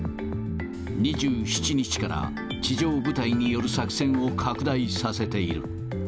２７日から地上部隊による作戦を拡大させている。